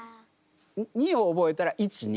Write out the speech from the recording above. ２を覚えたら１２。